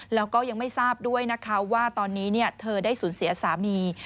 แล้วก็ยังไม่ทราบด้วยนะคะว่าตอนนี้เธอได้สูญเสียสามี